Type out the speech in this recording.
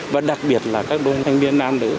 và đặc biệt là các đôi thanh viên nam nữ